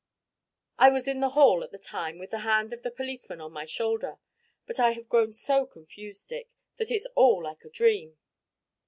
I was in the hall at the time with the hand of the policeman on my shoulder. But I have grown so confused, Dick, that it's all like a dream."